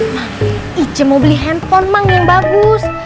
mak ice mau beli handphone mak yang bagus